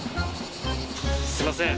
すいません。